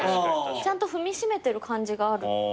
ちゃんと踏みしめてる感じがある。